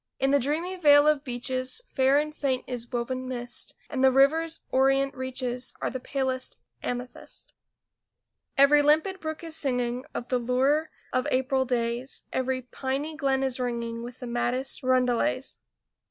In the dreamy vale of beeches Fair and faint is woven mist, And the river's orient reaches Are the palest amethyst. Every limpid brook is singing Of the lure of April days; Every piney glen is ringing With the maddest roundelays.